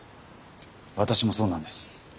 私もそうなんです。